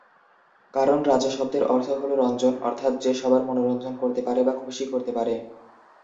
কারণ রাজা শব্দের অর্থ হল 'রঞ্জন' অর্থাৎ যে সবার মনোরঞ্জন করতে পারে বা খুশি করতে পারে।